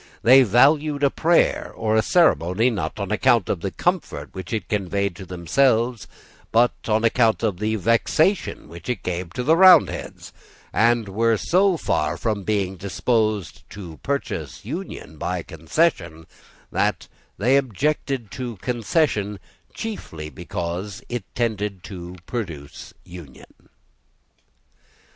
They valued a prayer or a ceremony, not on account of the comfort which it conveyed to themselves, but on account of the vexation which it gave to the Roundheads, and were so far from being disposed to purchase union by concession that they objected to concession chiefly because it tended to produce union.